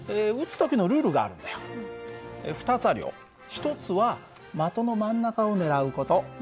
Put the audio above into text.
１つは的の真ん中を狙う事。